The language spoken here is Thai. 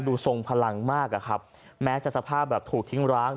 ทรงพลังมากอะครับแม้จะสภาพแบบถูกทิ้งร้าง